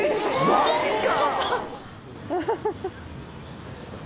マジか！